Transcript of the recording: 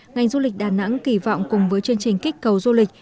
ngành du lịch đà nẵng kỳ vọng cùng với chương trình kích cầu du lịch